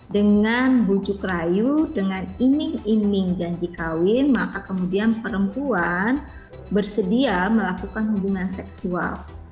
dengan bujuk rayu dengan iming iming janji kawin maka kemudian perempuan bersedia melakukan hubungan seksual